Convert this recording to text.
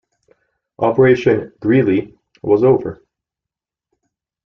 Operation "Greeley" was over.